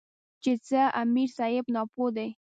چې ځه امیر صېب ناپوهَ دے ـ